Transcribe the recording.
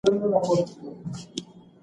ولې ځمکه تودېږي؟